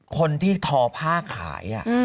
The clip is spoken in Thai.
คนที่ทอผ้าขาย